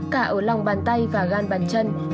cả ở lòng bàn tay và gan bàn chân